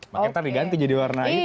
makanya nanti diganti jadi warna hitam